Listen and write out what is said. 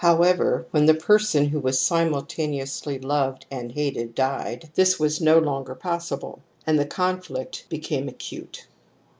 However, when ^ the person who was simultaneously loved and hated died, this was no longer possible, and the conflict became acute.